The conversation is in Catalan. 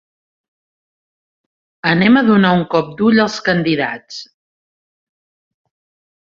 Anem a donar un cop d'ull als candidats.